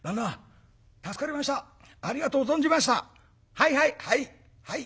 「はいはいはいはい。